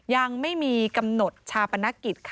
ยังไม่มีกำหนดชาปนกิจค่ะ